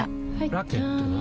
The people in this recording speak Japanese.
ラケットは？